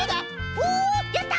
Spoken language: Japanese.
おおやった！